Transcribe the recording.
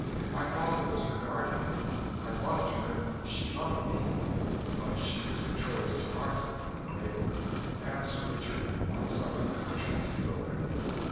My father was her guardian. I loved her and she loved me; but she was betrothed to Arthur from the cradle, and Sir Richard would not suffer the contract to be broken.